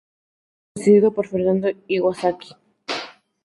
Estuvo presidido por Fernando Iwasaki.